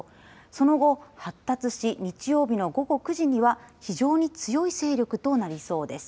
その後、発達し日曜日の午後９時には非常に強い勢力となりそうです。